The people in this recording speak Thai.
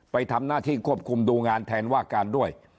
ไปทำหน้าที่ควบคุมดูงานแทนว่าการด้วย